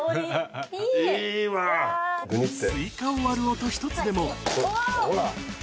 スイカを割る音ひとつでもほら。